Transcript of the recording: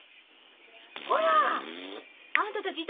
こら！あんたたち